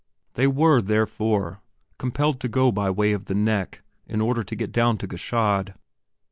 They were, therefore, compelled to go by way of the "neck" in order to get down to Gschaid.